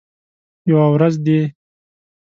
یوه ورځ دي